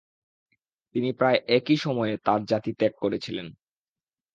তিনি প্রায় একই সময়ে তার জাতি ত্যাগ করেছিলেন।